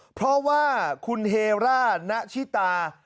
เพราะว่าคุณเฮร่าณชิตา